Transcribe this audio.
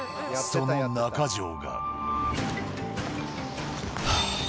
その中城が。